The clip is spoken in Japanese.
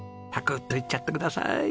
パクッといっちゃってください。